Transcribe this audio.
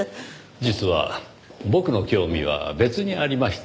実は僕の興味は別にありまして。